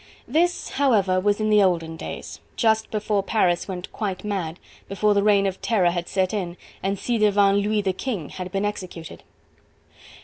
This, however, was in the olden days, just before Paris went quite mad, before the Reign of Terror had set in, and ci devant Louis the King had been executed.